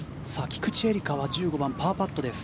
菊地絵理香は１５番、パーパットです。